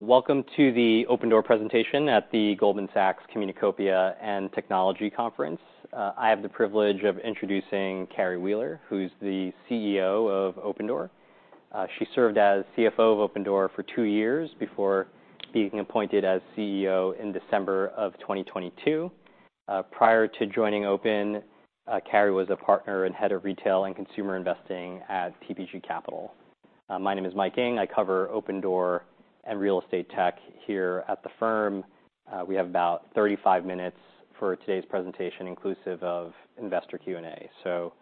Welcome to the Opendoor presentation at the Goldman Sachs Communacopia and Technology Conference. I have the privilege of introducing Carrie Wheeler, who's the CEO of Opendoor. She served as CFO of Opendoor for two years before being appointed as CEO in December of 2022. Prior to joining Opendoor, Carrie was a partner and head of retail and consumer investing at TPG Capital. My name is Mike Ng. I cover Opendoor and real-estate tech here at the firm. We have about 35 minutes for today's presentation, inclusive of investor Q&A, so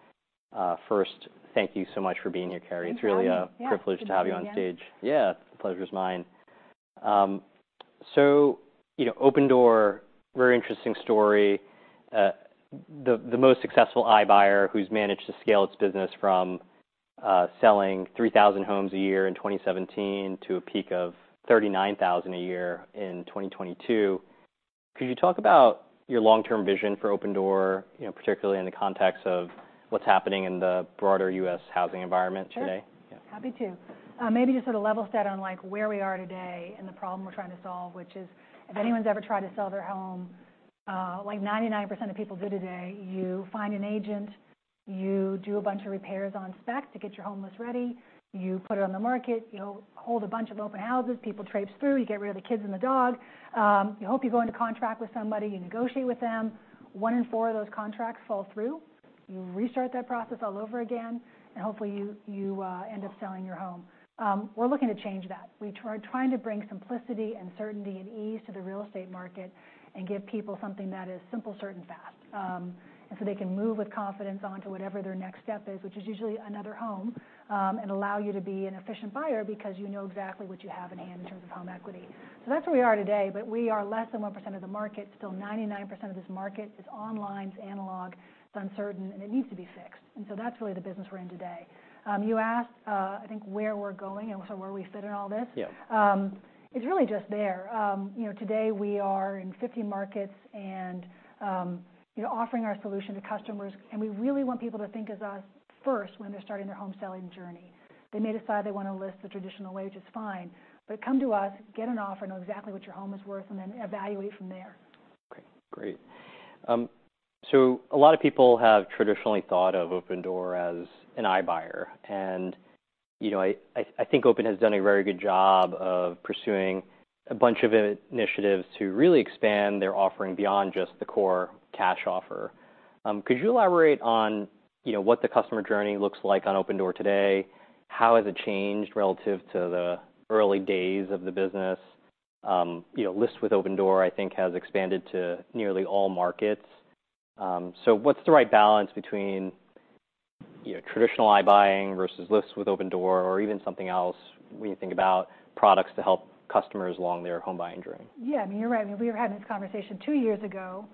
first, thank you so much for being here, Carrie. Thanks for having me. It's really a- Yeah Privilege to have you on stage. Thank you again. Yeah, the pleasure is mine. So, you know, Opendoor, very interesting story. The most successful iBuyer who's managed to scale its business from selling 3,000 homes a year in 2017 to a peak of 39,000 a year in 2022. Could you talk about your long-term vision for Opendoor, you know, particularly in the context of what's happening in the broader U.S. housing environment today? Sure. Yeah. Happy to. Maybe just sort of level set on, like, where we are today and the problem we're trying to solve, which is, if anyone's ever tried to sell their home, like 99% of people do today, you find an agent, you do a bunch of repairs on spec to get your home list ready. You put it on the market, you hold a bunch of open houses, people traipse through, you get rid of the kids and the dog. You hope you go into contract with somebody, you negotiate with them. One in four of those contracts fall through. You restart that process all over again, and hopefully, you end up selling your home. We're looking to change that. We're trying to bring simplicity and certainty and ease to the real estate market and give people something that is simple, certain, fast, and so they can move with confidence onto whatever their next step is, which is usually another home, and allow you to be an efficient buyer because you know exactly what you have in hand in terms of home equity. So that's where we are today, but we are less than 1% of the market. Still, 99% of this market is offline, it's analog, it's uncertain, and it needs to be fixed. And so that's really the business we're in today. You asked, I think, where we're going and also where we fit in all this? Yeah. It's really just there. You know, today we are in 50 markets and, you know, offering our solution to customers, and we really want people to think of us first when they're starting their home-selling journey. They may decide they want to list the traditional way, which is fine, but come to us, get an offer, know exactly what your home is worth, and then evaluate from there. Okay, great. So a lot of people have traditionally thought of Opendoor as an iBuyer, and, you know, I think Opendoor has done a very good job of pursuing a bunch of initiatives to really expand their offering beyond just the core cash offer. Could you elaborate on, you know, what the customer journey looks like on Opendoor today? How has it changed relative to the early days of the business? You know, List with Opendoor, I think, has expanded to nearly all markets. So what's the right balance between, you know, traditional iBuying versus List with Opendoor or even something else when you think about products to help customers along their home buying journey? Yeah, I mean, you're right. I mean, we were having this conversation two years ago,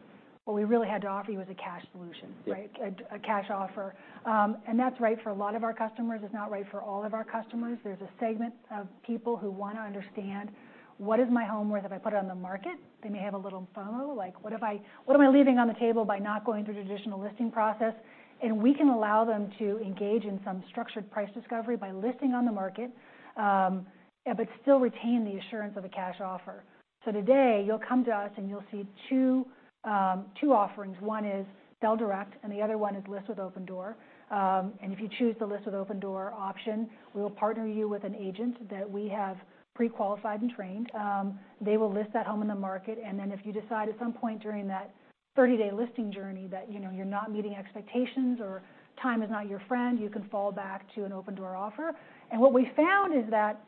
what we really had to offer you was a cash solution, right? Yeah. A cash offer, and that's right for a lot of our customers. It's not right for all of our customers. There's a segment of people who want to understand: What is my home worth if I put it on the market? They may have a little FOMO, like, what if I- what am I leaving on the table by not going through the traditional listing process? And we can allow them to engage in some structured price-discovery by listing on the market, but still retain the assurance of a cash offer, so today, you'll come to us, and you'll see two offerings. One is sell direct, and the other one is List with Opendoor, and if you choose the List with Opendoor option, we will partner you with an agent that we have prequalified and trained. they will list that home on the market, and then if you decide at some point during that 30-day listing journey that, you know, you're not meeting expectations or time is not your friend, you can fall back to an Opendoor offer, and what we found is that,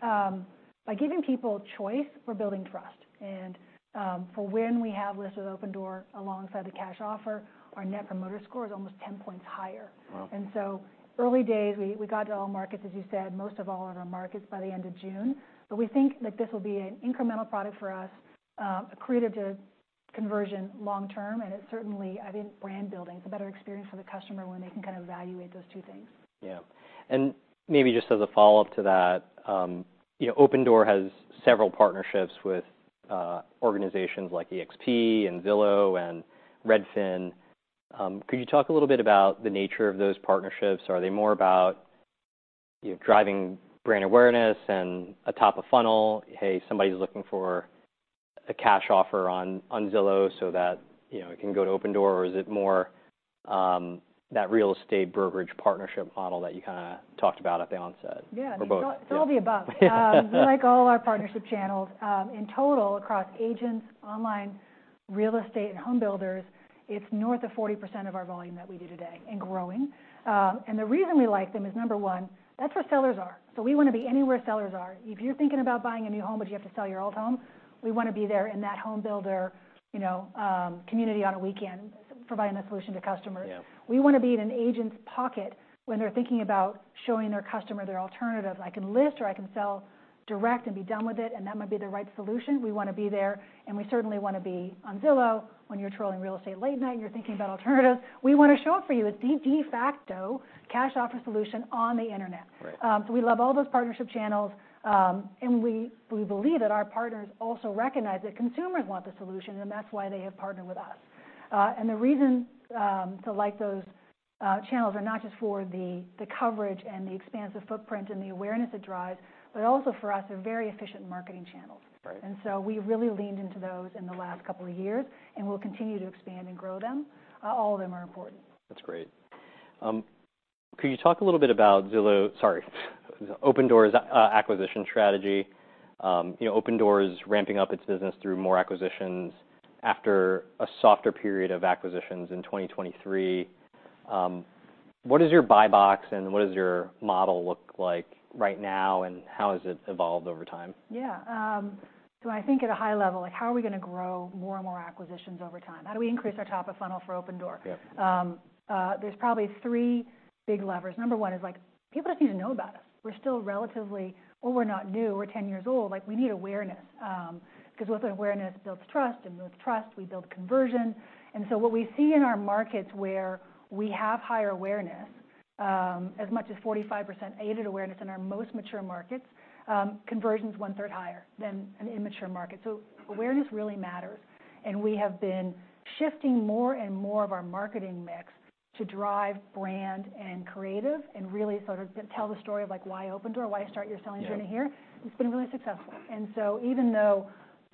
by giving people choice, we're building trust, and for when we have listed Opendoor alongside the cash offer, our Net Promoter Score is almost 10 points higher. Wow! And so early days, we got to all markets, as you said, most of all of our markets by the end of June. But we think that this will be an incremental product for us, accretive to conversion long-term, and it's certainly, I think, brand building. It's a better experience for the customer when they can kind of evaluate those two things. Yeah, and maybe just as a follow-up to that, you know, Opendoor has several partnerships with organizations like eXp and Zillow and Redfin. Could you talk a little bit about the nature of those partnerships? Are they more about, you know, driving brand awareness and a top-of-funnel, "Hey, somebody's looking for a cash offer on Zillow," so that, you know, it can go to Opendoor? Or is it more, that real estate brokerage partnership model that you kind of talked about at the onset? Yeah. Or both? It's all the above. We like all our partnership channels. In total, across agents, online, real estate, and homebuilders, it's north of 40% of our volume that we do today and growing, and the reason we like them is, number one, that's where sellers are. So we want to be anywhere sellers are. If you're thinking about buying a new home, but you have to sell your old home, we want to be there in that homebuilder, you know, community on a weekend, providing a solution to customers. Yeah. We want to be in an agent's pocket when they're thinking about showing their customer their alternative. I can list or I can sell direct and be done with it, and that might be the right solution. We want to be there, and we certainly want to be on Zillow. When you're trolling real estate late night, and you're thinking about alternatives, we want to show up for you, a de facto cash offer solution on the Internet. Right. So we love all those partnership channels. And we believe that our partners also recognize that consumers want the solution, and that's why they have partnered with us. And the reason to like those channels are not just for the coverage and the expansive footprint and the awareness it drives, but also for us, they're very efficient marketing channels. Right. And so we really leaned into those in the last couple of years, and we'll continue to expand and grow them. All of them are important. That's great. Could you talk a little bit about Opendoor's acquisition strategy? You know, Opendoor is ramping up its business through more acquisitions after a softer period of acquisitions in 2023. What is your buy-box, and what does your model look like right now, and how has it evolved over time? Yeah. So I think at a high level, like, how are we gonna grow more and more acquisitions over time? How do we increase our top-of-funnel for Opendoor? Yep. There's probably three big levers. Number one is, like, people just need to know about us. We're still relatively... Well, we're not new, we're ten years old. Like, we need awareness, 'cause with awareness builds trust, and with trust, we build conversion. What we see in our markets where we have higher awareness, as much as 45% aided awareness in our most mature markets, conversion's one third higher than an immature market. Awareness really matters, and we have been shifting more and more of our marketing mix to drive brand and creative and really sort of tell the story of, like, why Opendoor, why start your selling journey here? Yeah. It's been really successful, and so even though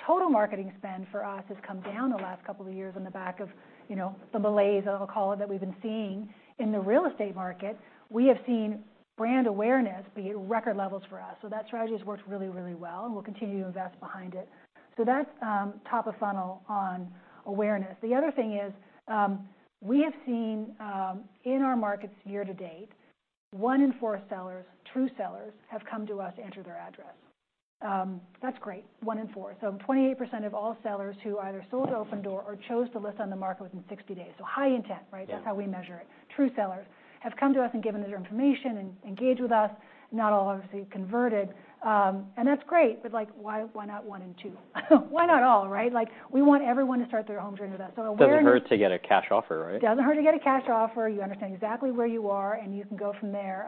total marketing spend for us has come down the last couple of years on the back of, you know, the malaise, I'll call it, that we've been seeing in the real estate market, we have seen brand awareness be at record levels for us, so that strategy has worked really, really well, and we'll continue to invest behind it, so that's top of funnel on awareness. The other thing is, we have seen in our markets year to date, one in four sellers, true sellers, have come to us, entered their address. That's great, one in four, so 28% of all sellers who either sold to Opendoor or chose to list on the market within 60 days, so high intent, right? Yeah. That's how we measure it. True sellers have come to us and given us their information and engaged with us, not all, obviously, converted, and that's great, but, like, why, why not one in two? Why not all, right? Like, we want everyone to start their home journey with us. So awareness- Doesn't hurt to get a cash offer, right? Doesn't hurt to get a cash offer. You understand exactly where you are, and you can go from there.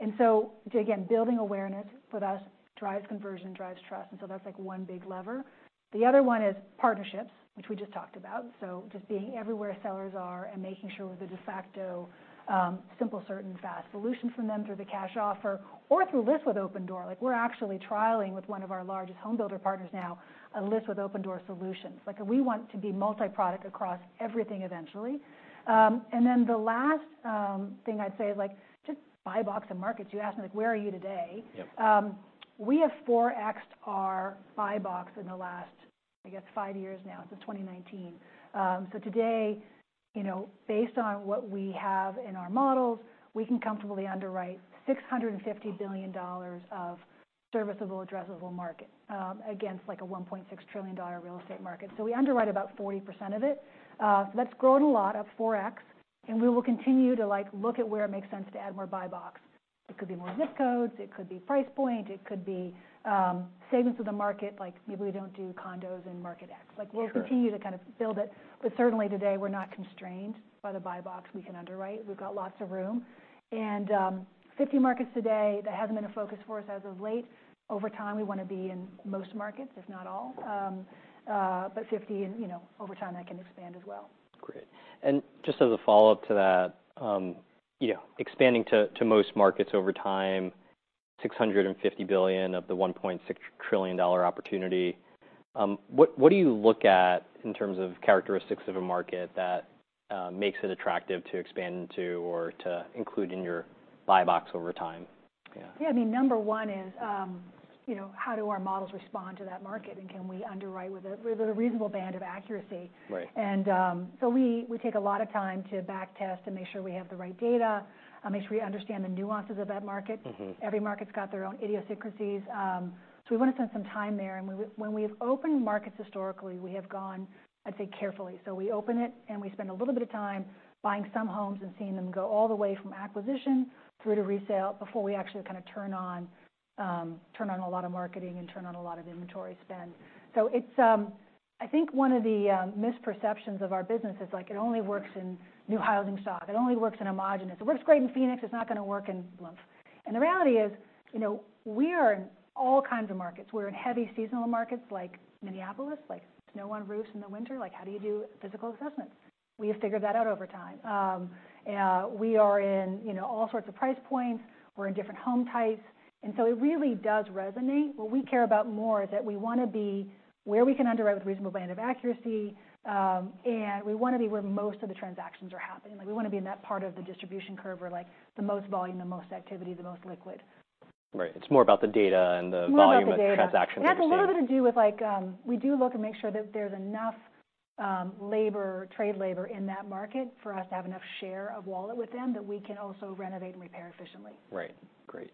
And so, again, building awareness for us drives conversion, drives trust, and so that's, like, one big lever. The other one is partnerships, which we just talked about. So just being everywhere sellers are and making sure we're the de facto, simple, certain, fast solution for them through the cash offer or through List with Opendoor. Like, we're actually trialing with one of our largest home builder partners now, a List with Opendoor solutions. Like, we want to be multi-product across everything eventually. And then the last thing I'd say is, like, just buy-box and markets. You asked me, like, where are you today? Yep. We have four X'd our buy-box in the last, I guess, five years now, since 2019. So today, you know, based on what we have in our models, we can comfortably underwrite $650 billion of serviceable addressable market, against, like, a $1.6 trillion real estate market. So we underwrite about 40% of it. So that's grown a lot, up four X, and we will continue to, like, look at where it makes sense to add more buy-box. It could be more ZIP codes, it could be price point, it could be, segments of the market, like maybe we don't do condos in market X. Sure. Like, we'll continue to kind of build it, but certainly today we're not constrained by the buy-box we can underwrite. We've got lots of room. 50 markets today, that hasn't been a focus for us as of late. Over time, we want to be in most markets, if not all. 50, and you know, over time, that can expand as well. Great. And just as a follow-up to that, you know, expanding to most markets over time, $650 billion of the $1.6 trillion opportunity. What do you look at in terms of characteristics of a market that makes it attractive to expand into or to include in your buy-box over time? Yeah. Yeah, I mean, number one is, you know, how do our models respond to that market, and can we underwrite with a reasonable band of accuracy? Right. So we take a lot of time to back test and make sure we have the right data, make sure we understand the nuances of that market. Mm-hmm. Every market's got their own idiosyncrasies. So we want to spend some time there, and when we've opened markets historically, we have gone, I'd say, carefully. So we open it, and we spend a little bit of time buying some homes and seeing them go all the way from acquisition through to resale before we actually kind of turn on a lot of marketing and turn on a lot of inventory spend. So it's... I think one of the misperceptions of our business is, like, it only works in new housing stock. It only works in homogeneous. It works great in Phoenix, it's not gonna work in. And the reality is, you know, we are in all kinds of markets. We're in heavy seasonal markets like Minneapolis, like snow on roofs in the winter. Like, how do you do physical assessments? We have figured that out over time. We are in, you know, all sorts of price points. We're in different home types, and so it really does resonate. What we care about more is that we wanna be where we can underwrite with reasonable band of accuracy, and we wanna be where most of the transactions are happening. Like, we wanna be in that part of the distribution curve where, like, the most volume, the most activity, the most liquid. Right. It's more about the data and the volume- More about the data. -of transaction. It has a little bit to do with, like, we do look and make sure that there's enough labor, trade labor in that market for us to have enough share of wallet with them, that we can also renovate and repair efficiently. Right. Great.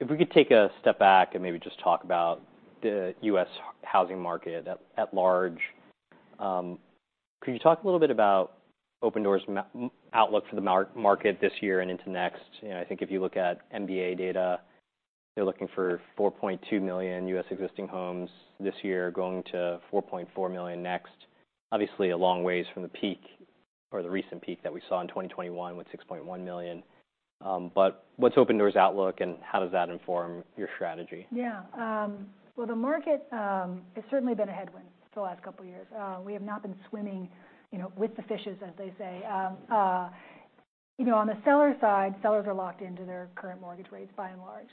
If we could take a step back and maybe just talk about the U.S. housing market at large. Could you talk a little bit about Opendoor's outlook for the market this year and into next? You know, I think if you look at MBA data, they're looking for 4.2 million U.S. existing homes this year, going to 4.4 million next. Obviously, a long ways from the peak or the recent peak that we saw in 2021, with 6.1 million. But what's Opendoor's outlook, and how does that inform your strategy? Yeah. Well, the market has certainly been a headwind the last couple years. We have not been swimming, you know, with the fishes, as they say. You know, on the seller side, sellers are locked into their current mortgage rates, by and large,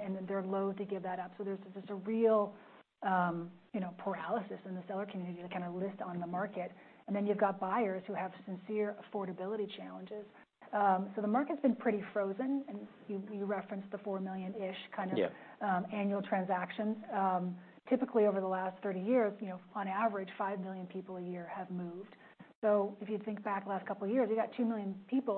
and then they're loathe to give that up. So there's just a real, you know, paralysis in the seller community to kind of list on the market. And then you've got buyers who have sincere affordability challenges. So the market's been pretty frozen, and you referenced the four million-ish kind of- Yeah... annual transactions. Typically, over the last thirty years, you know, on average, five million people a year have moved. So if you think back the last couple years, you got two million people.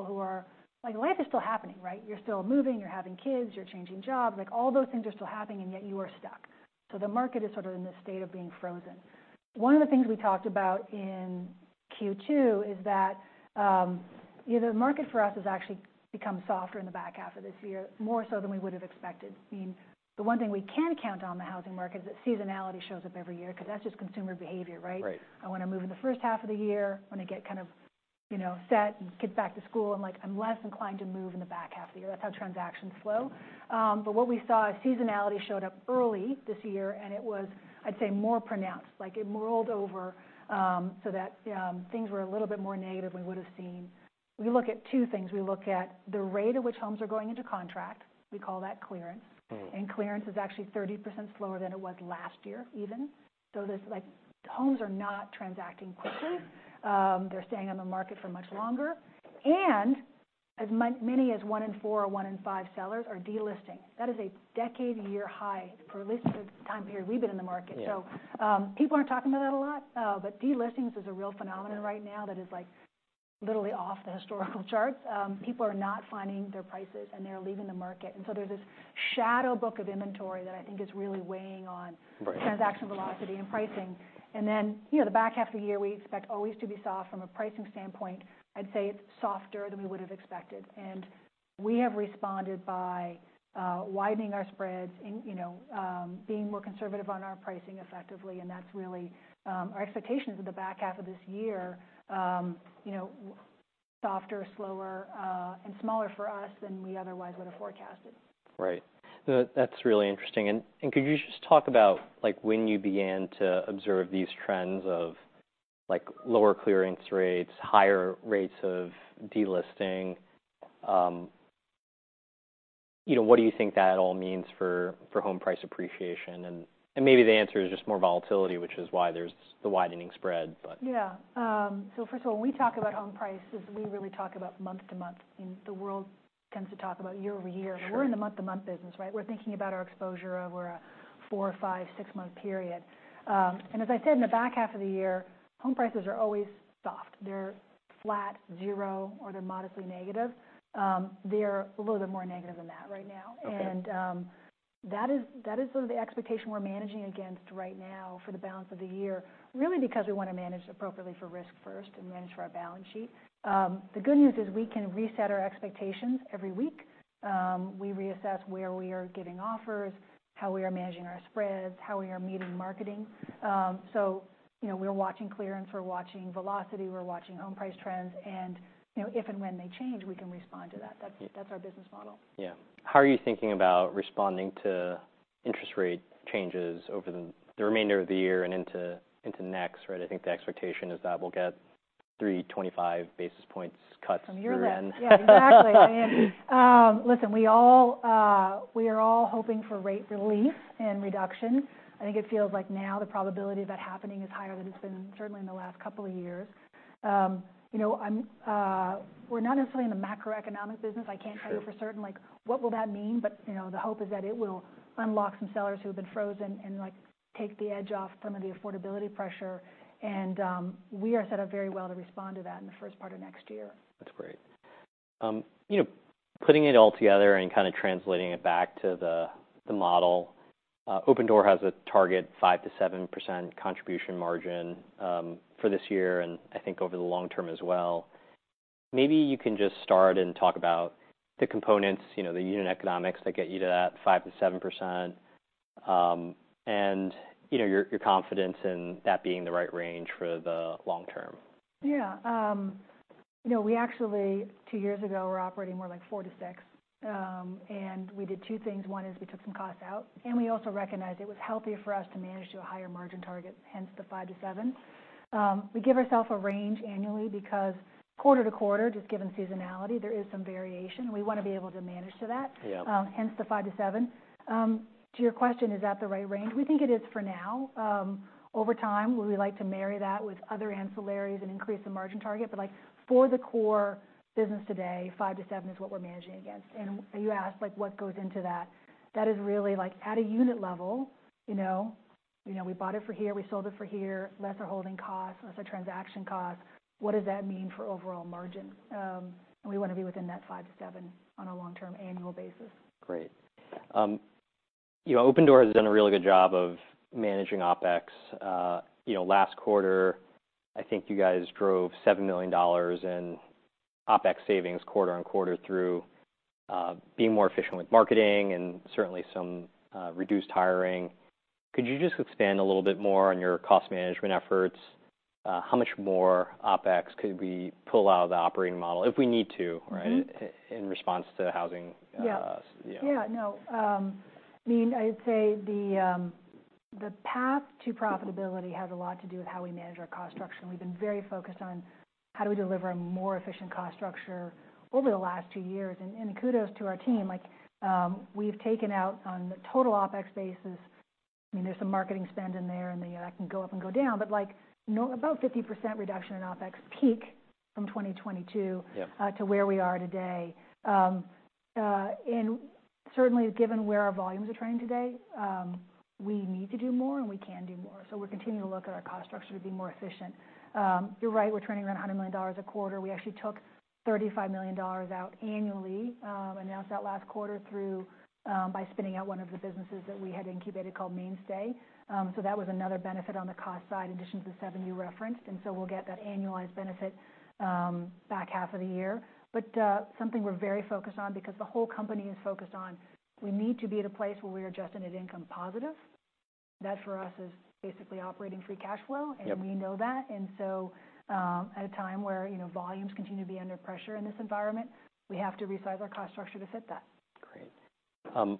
Like, life is still happening, right? You're still moving, you're having kids, you're changing jobs. Like, all those things are still happening, and yet you are stuck. So the market is sort of in this state of being frozen. One of the things we talked about in Q2 is that, you know, the market for us has actually become softer in the back-half of this year, more so than we would have expected. I mean, the one thing we can count on in the housing market is that seasonality shows up every year, 'cause that's just consumer behavior, right? Right. I wanna move in the first half of the year, wanna get kind of, you know, set and get back to school, and, like, I'm less inclined to move in the back-half of the year. That's how transactions flow, but what we saw is seasonality showed up early this year, and it was, I'd say, more pronounced. Like, it rolled over, so that things were a little bit more negative than we would've seen. We look at two things. We look at the rate at which homes are going into contract. We call that clearance. Mm-hmm. Clearance is actually 30% slower than it was last year, even. This, like, homes are not transacting quickly. They're staying on the market for much longer, and as many as one in four or one in five sellers are delisting. That is a decade-high for at least the time period we've been in the market. Yeah. So, people aren't talking about that a lot, but delistings is a real phenomenon right now that is, like, literally off the historical charts. People are not finding their prices, and they're leaving the market. And so there's this shadow book of inventory that I think is really weighing on- Right... transaction velocity and pricing. And then, you know, the back-half of the year, we expect always to be soft from a pricing standpoint. I'd say it's softer than we would have expected, and we have responded by widening our spreads and, you know, being more conservative on our pricing effectively, and that's really our expectations for the back-half of this year. You know, softer, slower, and smaller for us than we otherwise would have forecasted. Right. That's really interesting. And could you just talk about, like, when you began to observe these trends of, like, lower clearance rates, higher rates of delisting? You know, what do you think that all means for home price appreciation? And maybe the answer is just more volatility, which is why there's the widening spread, but. Yeah, so first of all, when we talk about home prices, we really talk about month to month, and the world tends to talk about year-over-year. Sure. We're in the month-to-month business, right? We're thinking about our exposure over a four, five, six-month period. And as I said, in the back-half of the year, home prices are always soft. They're flat zero, or they're modestly negative. They're a little bit more negative than that right now. Okay. That is sort of the expectation we're managing against right now for the balance of the year, really because we want to manage appropriately for risk first and manage for our balance sheet. The good news is we can reset our expectations every week. We reassess where we are giving offers, how we are managing our spreads, how we are meeting marketing. You know, we're watching clearance, we're watching velocity, we're watching home price trends, and you know, if and when they change, we can respond to that. That's our business model. Yeah. How are you thinking about responding to interest rate changes over the remainder of the year and into next, right? I think the expectation is that we'll get 325 basis points cuts through then. Yeah, exactly. Listen, we all are hoping for rate relief and reduction. I think it feels like now the probability of that happening is higher than it's been certainly in the last couple of years. You know, we're not necessarily in the macroeconomic business. Sure. I can't tell you for certain, like, what will that mean? But, you know, the hope is that it will unlock some sellers who have been frozen and, like, take the edge off some of the affordability pressure. And, we are set up very well to respond to that in the first part of next year. That's great. You know, putting it all together and kind of translating it back to the model, Opendoor has a target 5%-7% contribution margin for this year, and I think over the long-term as well. Maybe you can just start and talk about the components, you know, the unit economics that get you to that 5%-7%, and you know, your confidence in that being the right range for the long-term. Yeah. You know, we actually, two years ago, were operating more like 4%-6%, and we did two things. One is we took some costs out, and we also recognized it was healthier for us to manage to a higher margin target, hence the 5%-7%. We give ourself a range annually because quarter to quarter, just given seasonality, there is some variation. We want to be able to manage to that. Yeah. Hence the five to seven. To your question, is that the right range? We think it is for now. Over time, we would like to marry that with other ancillaries and increase the margin target, but, like, for the core business today, five to seven is what we're managing against. You asked, like, what goes into that? That is really, like, at a unit level, you know. You know, we bought it for here, we sold it for here, less our holding costs, less our transaction costs. What does that mean for overall margin? We want to be within that five to seven on a long-term annual basis. Great. You know, Opendoor has done a really good job of managing OpEx. You know, last quarter, I think you guys drove $7 million in OpEx savings quarter on quarter through being more efficient with marketing and certainly some reduced hiring. Could you just expand a little bit more on your cost management efforts? How much more OpEx could we pull out of the operating model if we need to, right? Mm-hmm. In response to housing, Yeah. You know. Yeah, no. I mean, I'd say the, the path to profitability has a lot to do with how we manage our cost structure, and we've been very focused on how do we deliver a more efficient cost structure over the last two years. And, kudos to our team. Like, we've taken out, on the total OpEx basis, I mean, there's some marketing spend in there, and that can go up and go down. But like, no, about 50% reduction in OpEx peak from 2022- Yep. to where we are today. And certainly, given where our volumes are trending today, we need to do more, and we can do more. So we're continuing to look at our cost structure to be more efficient. You're right, we're trending around $100 million a quarter. We actually took $35 million out annually, announced that last quarter through, by spinning out one of the businesses that we had incubated called Mainstay. So that was another benefit on the cost side, in addition to the seven you referenced, and so we'll get that annualized benefit, back-half of the year. But, something we're very focused on because the whole company is focused on, we need to be at a place where we are just adjusted income positive. That, for us, is basically operating free cash flow. Yep. And we know that. And so, at a time where, you know, volumes continue to be under pressure in this environment, we have to resize our cost structure to fit that. Great.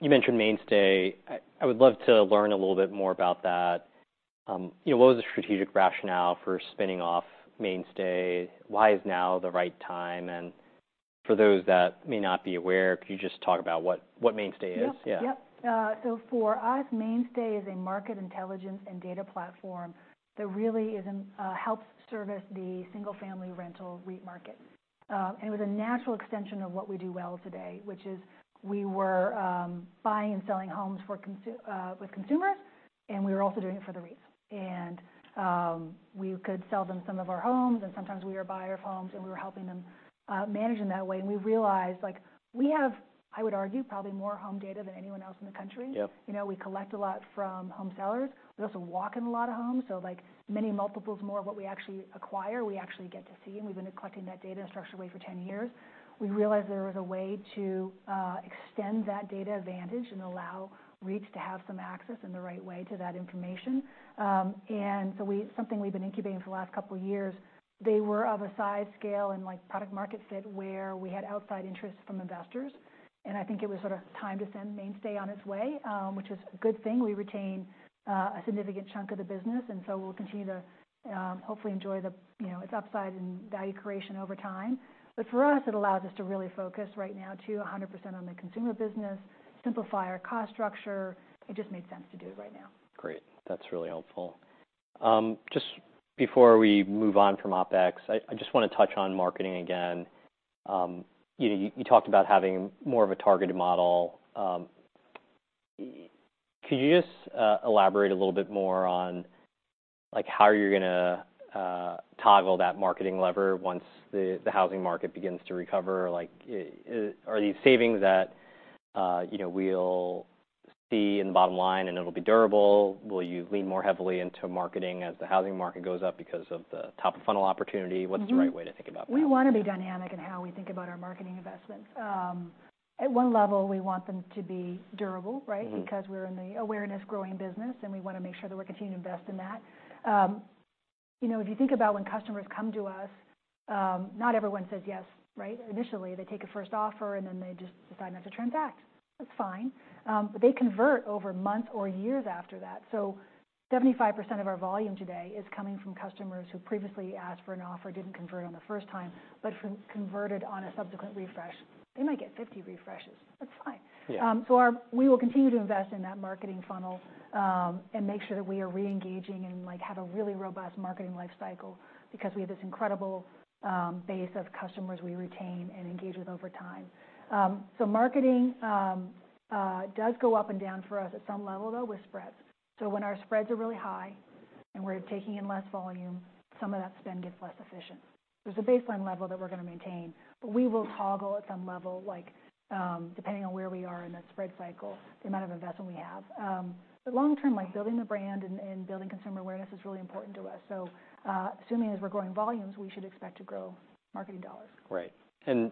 You mentioned Mainstay. I would love to learn a little bit more about that. You know, what was the strategic rationale for spinning off Mainstay? Why is now the right time? And for those that may not be aware, could you just talk about what Mainstay is? Yep. Yeah. Yep. So for us, Mainstay is a market intelligence and data platform that really is, helps service the single-family rental REIT market. And it was a natural extension of what we do well today, which is we were, buying and selling homes with consumers, and we were also doing it for the REITs. And we could sell them some of our homes, and sometimes we were buyer of homes, and we were helping them, manage in that way. And we realized, like, we have, I would argue, probably more home data than anyone else in the country. Yep. You know, we collect a lot from home sellers. We also walk in a lot of homes, so like, many multiples more of what we actually acquire, we actually get to see, and we've been collecting that data in a structured way for ten years. We realized there was a way to extend that data advantage and allow REITs to have some access in the right way to that information. And so something we've been incubating for the last couple of years. They were of a size, scale, and like, product market fit where we had outside interest from investors, and I think it was sort of time to send Mainstay on its way, which is a good thing. We retained a significant chunk of the business, and so we'll continue to hopefully enjoy the, you know, its upside and value creation over time. But for us, it allows us to really focus right now to 100% on the consumer business, simplify our cost structure. It just made sense to do it right now. Great. That's really helpful. Just before we move on from OpEx, I just want to touch on marketing again. You talked about having more of a targeted model. Could you just elaborate a little bit more on, like, how you're going to toggle that marketing lever once the housing market begins to recover? Like, are these savings that you know, we'll see in the bottom line and it'll be durable? Will you lean more heavily into marketing as the housing market goes up because of the top-of-funnel opportunity? Mm-hmm. What's the right way to think about that? We want to be dynamic in how we think about our marketing investments. At one level, we want them to be durable, right? Mm-hmm. Because we're in the awareness growing business, and we want to make sure that we're continuing to invest in that. You know, if you think about when customers come to us, not everyone says yes, right? Initially, they take a first offer, and then they just decide not to transact. That's fine, but they convert over months or years after that, so 75% of our volume today is coming from customers who previously asked for an offer, didn't convert on the first time, but converted on a subsequent refresh. They might get 50 refreshes. That's fine. Yeah. So we will continue to invest in that marketing funnel, and make sure that we are re-engaging and like, have a really robust marketing life cycle because we have this incredible base of customers we retain and engage with over time. So marketing does go up and down for us at some level, though, with spreads. So when our spreads are really high and we're taking in less volume, some of that spend gets less efficient. There's a baseline level that we're going to maintain, but we will toggle at some level, like, depending on where we are in that spread cycle, the amount of investment we have. But long-term, like, building the brand and building consumer awareness is really important to us. So assuming as we're growing volumes, we should expect to grow marketing dollars. Right. And,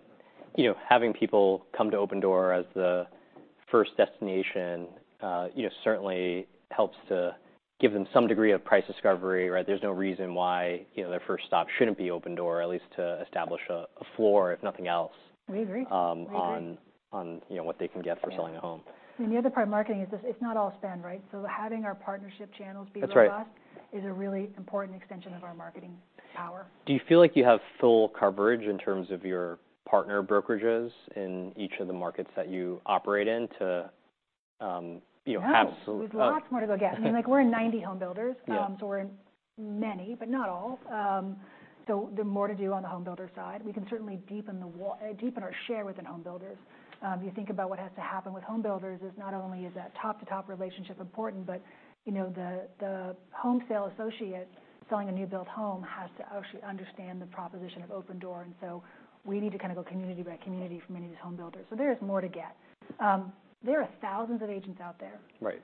you know, having people come to Opendoor as the first destination, you know, certainly helps to give them some degree of price-discovery, right? There's no reason why, you know, their first stop shouldn't be Opendoor, at least to establish a floor, if nothing else- We agree. -um- We agree. on, you know, what they can get for selling a home. And the other part of marketing is just it's not all spend, right? So having our partnership channels be robust- That's right. is a really important extension of our marketing power. Do you feel like you have full coverage in terms of your partner brokerages in each of the markets that you operate in to, you know, have? No. Oh- There's lots more to go get. I mean, like, we're in 90 home builders. Yeah. So we're in many, but not all. The more to do on the home builder side. We can certainly deepen our share within home builders. If you think about what has to happen with home builders, is not only is that top-to-top relationship important, but you know, the home sale associate selling a new-build home has to actually understand the proposition of Opendoor, and so we need to kind of go community by community from any of these home builders. There is more to get. There are thousands of agents out there. Right.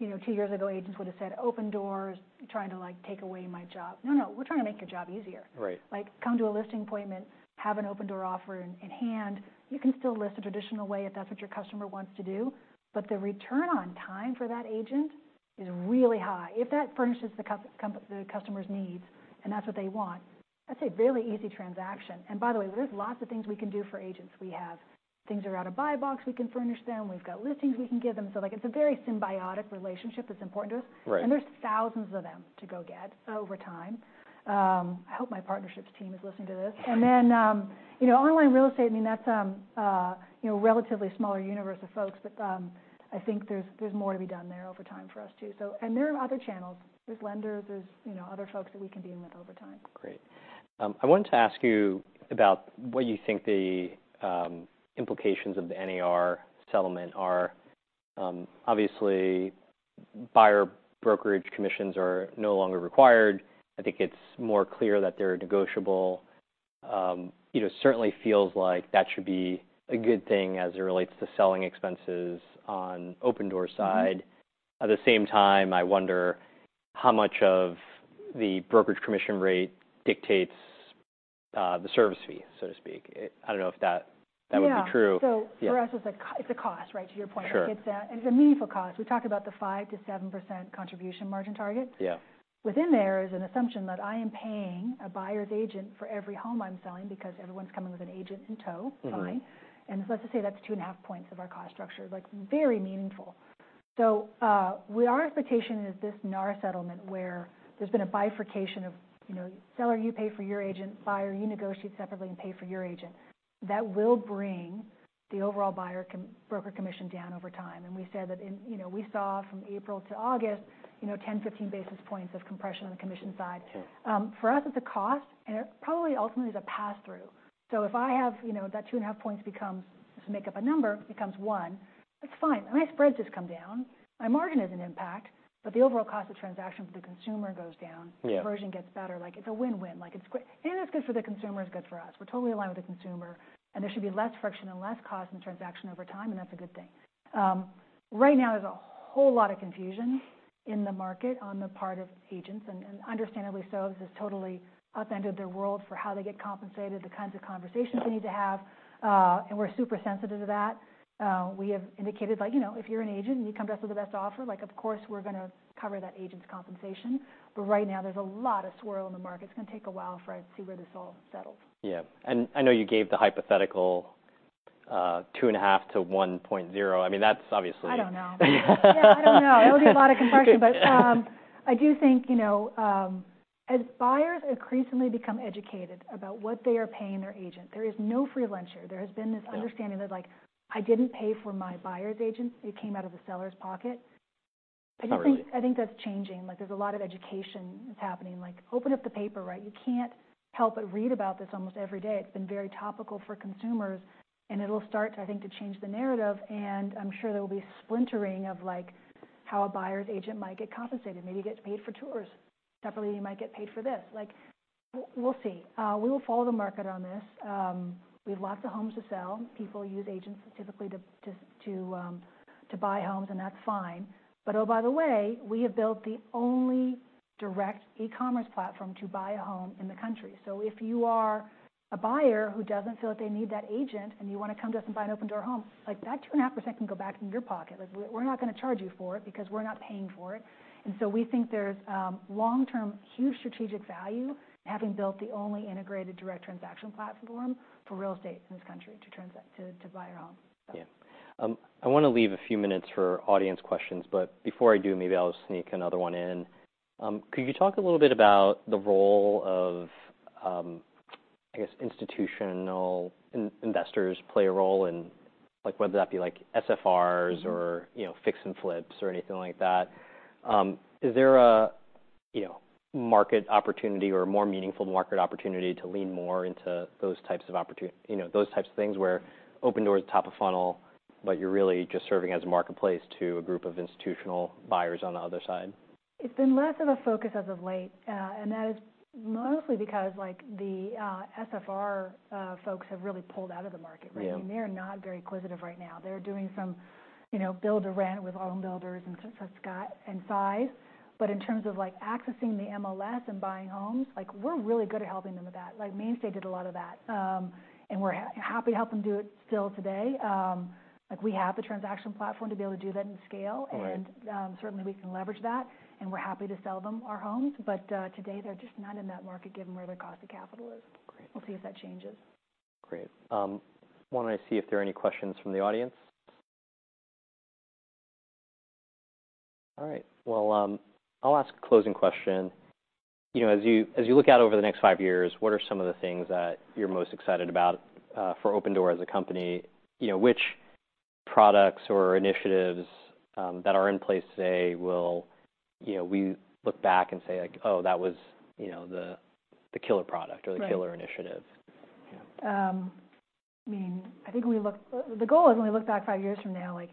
You know, two years ago, agents would have said, "Opendoor is trying to, like, take away my job." No, no, we're trying to make your job easier. Right. Like, come to a listing appointment, have an Opendoor offer in hand. You can still list the traditional way if that's what your customer wants to do, but the return on time for that agent is really high. If that furnishes the customer's needs, and that's what they want, that's a really easy transaction. And by the way, there's lots of things we can do for agents. We have things around a buy-box we can furnish them. We've got listings we can give them. So, like, it's a very symbiotic relationship that's important to us. Right. There's thousands of them to go get over time. I hope my partnerships team is listening to this. Then, you know, online real estate, I mean, that's, you know, relatively smaller universe of folks, but, I think there's more to be done there over time for us, too. So, there are other channels. There's lenders, you know, other folks that we can deal with over time. Great. I wanted to ask you about what you think the implications of the NAR settlement are. Obviously, buyer brokerage commissions are no longer required. I think it's more clear that they're negotiable. You know, it certainly feels like that should be a good thing as it relates to selling expenses on Opendoor's side. Mm-hmm. At the same time, I wonder how much of the brokerage commission rate dictates the service fee, so to speak? I don't know if that would be true. Yeah. Yeah. So for us, it's a cost, right? To your point. Sure. It's a meaningful cost. We talked about the 5%-7% contribution margin target. Yeah. Within there is an assumption that I am paying a buyer's agent for every home I'm selling because everyone's coming with an agent in tow. Mm-hmm. Fine. And so let's just say that's two and a half points of our cost structure, like, very meaningful. So, our expectation is this NAR settlement, where there's been a bifurcation of, you know, seller, you pay for your agent, buyer, you negotiate separately and pay for your agent, that will bring the overall buyer broker commission down over time. And we said that in. You know, we saw from April to August, you know, ten, fifteen basis points of compression on the commission side. Sure. For us, it's a cost, and it probably ultimately is a pass-through. So if I have, you know, that two and a half points becomes, just make up a number, becomes one, it's fine. My spreads just come down. My margin is an impact, but the overall cost of transaction for the consumer goes down. Yeah. Conversion gets better. Like, it's a win-win. Like, it's great. Anything that's good for the consumer is good for us. We're totally aligned with the consumer, and there should be less friction and less cost in transaction over time, and that's a good thing. Right now, there's a whole lot of confusion in the market on the part of agents, and understandably so. This has totally upended their world for how they get compensated, the kinds of conversations they need to have, and we're super sensitive to that. We have indicated, like, you know, if you're an agent and you come to us with the best offer, like, of course, we're gonna cover that agent's compensation. But right now, there's a lot of swirl in the market. It's gonna take a while for us to see where this all settles. Yeah. And I know you gave the hypothetical, two and a half to one point zero. I mean, that's obviously- I don't know. Yeah, I don't know. It'll be a lot of compression. But, I do think, you know, as buyers increasingly become educated about what they are paying their agent, there is no free lunch here. There has been this- Yeah... understanding that, like, I didn't pay for my buyer's agent, it came out of the seller's pocket. Oh, right. I just think, I think that's changing. Like, there's a lot of education that's happening. Like, open up the paper, right? You can't help but read about this almost every day. It's been very topical for consumers, and it'll start, I think, to change the narrative, and I'm sure there will be splintering of, like, how a buyer's agent might get compensated. Maybe you get paid for tours. Separately, you might get paid for this. Like, we'll see. We will follow the market on this. We have lots of homes to sell. People use agents typically to buy homes, and that's fine. But, oh, by the way, we have built the only direct e-commerce platform to buy a home in the country. So if you are a buyer who doesn't feel like they need that agent, and you wanna come to us and buy an Opendoor home, like, that 2.5% can go back into your pocket. Like, we're not gonna charge you for it because we're not paying for it. And so we think there's long-term, huge strategic value in having built the only integrated direct transaction platform for real estate in this country to transact to buy your home. So. Yeah. I want to leave a few minutes for audience questions, but before I do, maybe I'll sneak another one in. Could you talk a little bit about the role of, I guess, institutional investors play a role in, like, whether that be like SFRs- Mm-hmm... or, you know, fix and flips or anything like that? Is there a, you know, market opportunity or more meaningful market opportunity to lean more into those types of opportunities, you know, those types of things, where Opendoor is top of funnel, but you're really just serving as a marketplace to a group of institutional buyers on the other side? It's been less of a focus as of late, and that is mostly because, like, the SFR folks have really pulled out of the market. Yeah. I mean, they are not very inquisitive right now. They're doing some, you know, build to rent with home builders and Scott and Phi. But in terms of, like, accessing the MLS and buying homes, like, we're really good at helping them with that. Like, Mainstay did a lot of that, and we're happy to help them do it still today. Like, we have the transaction platform to be able to do that in scale. Right. And, certainly, we can leverage that, and we're happy to sell them our homes. But, today, they're just not in that market, given where their cost of capital is. Great. We'll see if that changes. Great. Why don't I see if there are any questions from the audience? All right, well, I'll ask a closing question. You know, as you, as you look out over the next five years, what are some of the things that you're most excited about for Opendoor as a company? You know, which products or initiatives that are in place today will, you know, we look back and say, like: Oh, that was, you know, the killer product- Right... or the killer initiative? Yeah. I mean, I think the goal is, when we look back five years from now, like,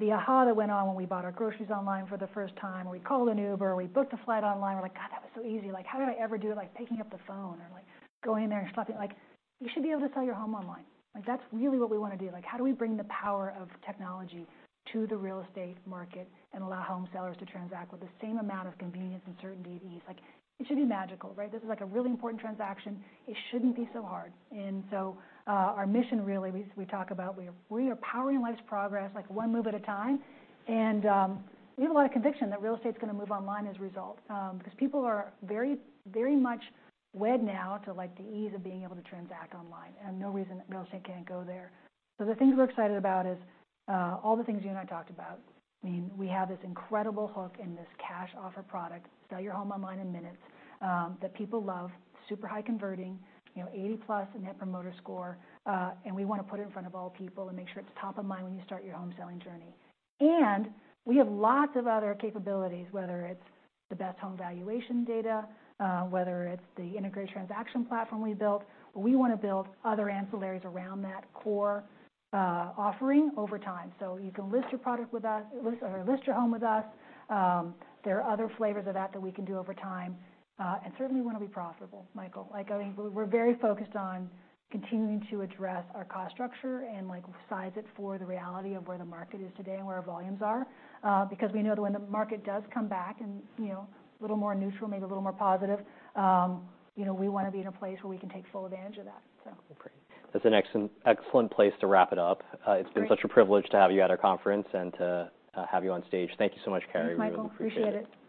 the aha! that went on when we bought our groceries online for the first time, we called an Uber, we booked a flight online, we're like: God, that was so easy. Like, how did I ever do, like, picking up the phone or, like, going in there and shopping? Like, you should be able to sell your home online. Like, that's really what we wanna do. Like, how do we bring the power of technology to the real estate market and allow home sellers to transact with the same amount of convenience and certainty and ease? Like, it should be magical, right? This is, like, a really important transaction. It shouldn't be so hard. Our mission, really, we talk about. We are powering life's progress, like, one move at a time. We have a lot of conviction that real estate's gonna move online as a result. Because people are very, very much wed now to, like, the ease of being able to transact online, and no reason that real estate can't go there. The things we're excited about is all the things you and I talked about. I mean, we have this incredible hook in this cash offer product, sell your home online in minutes, that people love, super high converting, you know, eighty plus Net Promoter Score. And we want to put it in front of all people and make sure it's top-of-mind when you start your home-selling journey. And we have lots of other capabilities, whether it's the best home valuation data, whether it's the integrated transaction platform we built. We wanna build other ancillaries around that core, offering over time, so you can list your product with us, or list your home with us. There are other flavors of that that we can do over time. And certainly, we want to be profitable, Michael. Like, I mean, we're very focused on continuing to address our cost structure and, like, size it for the reality of where the market is today and where our volumes are. Because we know that when the market does come back and, you know, a little more neutral, maybe a little more positive, you know, we want to be in a place where we can take full advantage of that. So. Great. That's an excellent place to wrap it up. Great. It's been such a privilege to have you at our conference and to have you on stage. Thank you so much, Carrie. Thanks, Michael. We appreciate it.